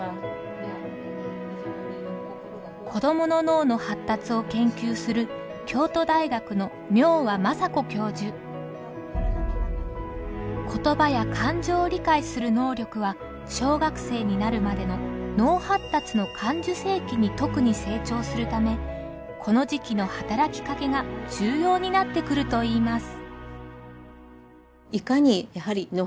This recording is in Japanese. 子どもの脳の発達を研究する言葉や感情を理解する能力は小学生になるまでの脳発達の感受性期に特に成長するためこの時期の働きかけが重要になってくるといいます。